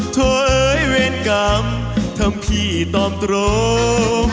เถ้อเอ้ยเวรกรรมทำพี่ต้อมตรม